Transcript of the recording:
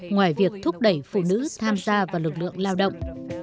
ngoài việc thúc đẩy phụ nữ tham gia vào lực lượng lao động